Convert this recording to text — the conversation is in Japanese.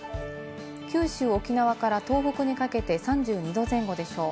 九州、沖縄から東北にかけて３２度前後でしょう。